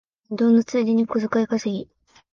運動のついでに小遣い稼ぎ